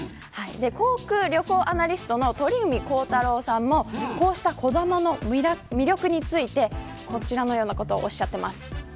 航空・旅行アナリストの鳥海高太朗さんもこうした、こだまの魅力についてこちらのようなことをおっしゃっています。